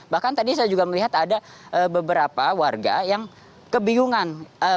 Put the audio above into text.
bahkan tadi saya juga melihat ada beberapa warga yang kebingungan